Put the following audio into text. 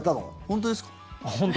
本当ですよ。